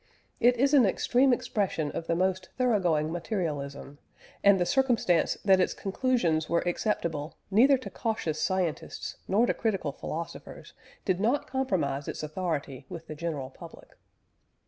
It is an extreme expression of the most thorough going materialism, and the circumstance that its conclusions were acceptable neither to cautious scientists nor to critical philosophers, did not compromise its authority with the general public.